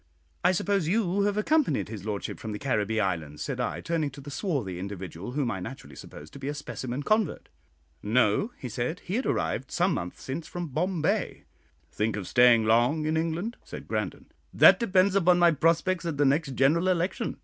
"I suppose you have accompanied his lordship from the Caribbee Islands," said I, turning to the swarthy individual, whom I naturally supposed to be a specimen convert. "No," he said; "he had arrived some months since from Bombay." "Think of staying long in England?" said Grandon. "That depends upon my prospects at the next general election.